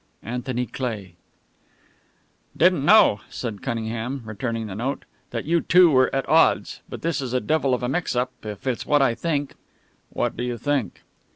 ANTHONY CLEIGH. "Didn't know," said Cunningham, returning the note, "that you two were at odds. But this is a devil of a mix up, if it's what I think." "What do you think?"